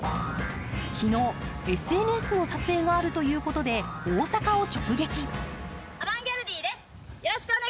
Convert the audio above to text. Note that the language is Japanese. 昨日、ＳＮＳの撮影があるということで大阪を直撃。